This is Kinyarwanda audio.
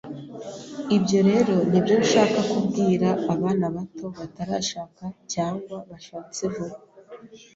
IIbyo rero nibyo nshaka kubwira abana bato batarashaka cyangwa bashatse vuba,